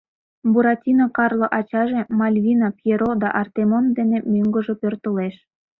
Буратино Карло ачаже, Мальвина, Пьеро да Артемон дене мӧҥгыжӧ пӧртылеш.